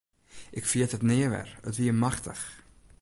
Ik ferjit it nea wer, it wie machtich.